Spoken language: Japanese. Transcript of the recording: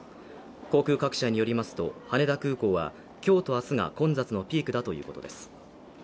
航空各社によりますと、羽田空港は今日と明日が混雑のピークだということです。